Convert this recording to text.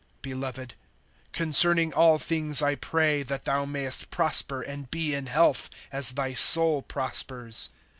(2)Beloved, concerning all things I pray that thou mayest prosper and be in health, as thy soul prospers.